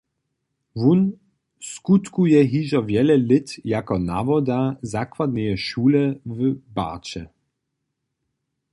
Wón skutkuje hižo wjele lět jako nawoda zakładneje šule w Barće.